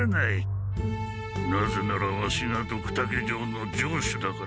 なぜならワシがドクタケ城の城主だから。